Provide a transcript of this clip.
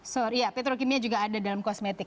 sorry ya petrokimia juga ada dalam kosmetik